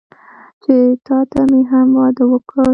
چې تاته مې هم واده وکړ.